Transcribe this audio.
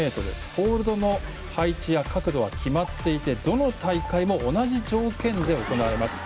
ホールドの配置や角度は決まっていてどの大会も同じ条件で行われます。